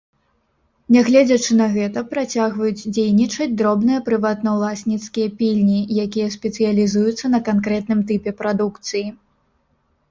Нягледзячы на гэта, працягваюць дзейнічаць дробныя прыватнаўласніцкія пільні, якія спецыялізуюцца на канкрэтным тыпе прадукцыі.